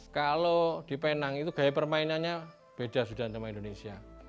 kalau di penang itu gaya permainannya beda sudah sama indonesia